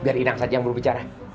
biar inang saja yang berbicara